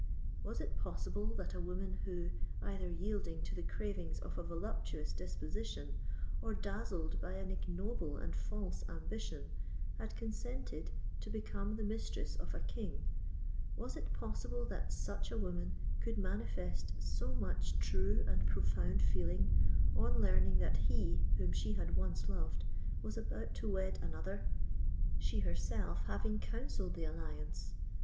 Was it possible that a woman who, either yielding to the cravings of a voluptuous disposition or dazzled by an ignoble and false ambition, had consented to become the mistress of a King,—was it possible that such a woman could manifest so much true and profound feeling on learning that he whom she had once loved was about to wed another, she herself having counselled the alliance?